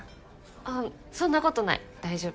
あっそんなことない大丈夫。